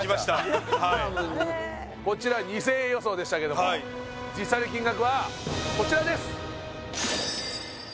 はいこちら２０００円予想でしたけども実際の金額はこちらです